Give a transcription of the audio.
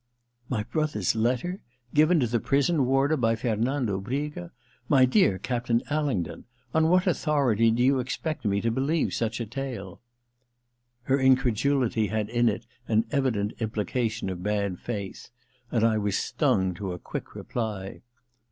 * My brother's letter ? Given to the prison warder by Fernando Briga ? My dear Captain Alingdon — on what authority do you expect me to believe such a tale ?' Her incredulity had in it an evident implica tion of bad faith, and I was stung to a quick reply.